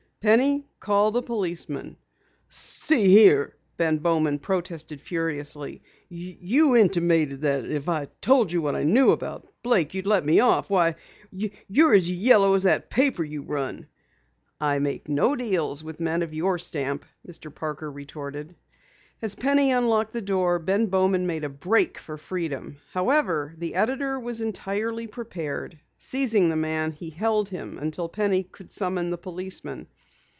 "Penny, call the policeman!" "See here," Bowman protested furiously, "you intimated that if I told what I knew about Blake you'd let me off. Why, you're as yellow as that paper you run!" "I make no deals with men of your stamp!" Mr. Parker retorted. As Penny unlocked the door, Ben Bowman made a break for freedom. However, the editor was entirely prepared. Seizing the man, he held him until Penny could summon the policeman.